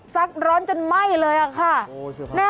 ซักร้อนจนไหม้เลยค่ะ